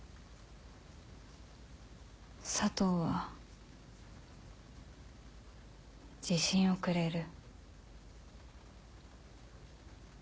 佐藤は自信をくれる。